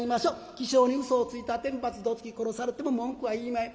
起請にうそをついた天罰どつき殺されても文句は言いまへん。